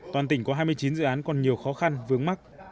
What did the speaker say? toàn tỉnh có hai mươi chín dự án còn nhiều khó khăn vướng mắt